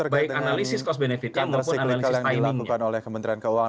baik analisis cost benefit nya maupun analisis timingnya